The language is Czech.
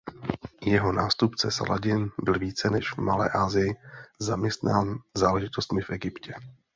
Jeho nástupce Saladin byl více než v Malé Asii zaměstnán záležitostmi v Egyptě.